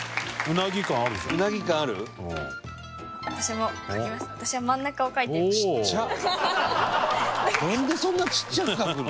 なんでそんなちっちゃく書くの？